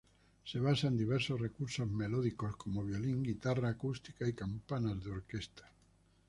Se basa en diversos recursos melódicos como violín, guitarra acústica, y campanas de orquesta.